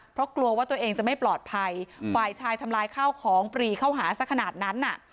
เพราะกลัวว่าตัวเองจะไม่ปลอดภัยฝ่ายชายทำลายข้าวของปรีเข้าหาสักขนาดนั้นน่ะ